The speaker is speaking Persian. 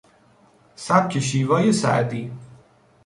سبک شیوای سعدی